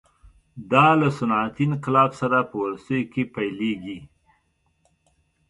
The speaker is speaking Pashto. دا له صنعتي انقلاب سره په وروستیو کې پیلېږي.